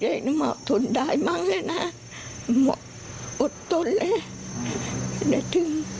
เด็กเริ่มเอาทนได้มะกันนักอ้อกอุดตก